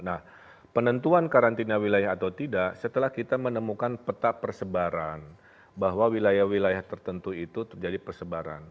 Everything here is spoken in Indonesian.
nah penentuan karantina wilayah atau tidak setelah kita menemukan peta persebaran bahwa wilayah wilayah tertentu itu terjadi persebaran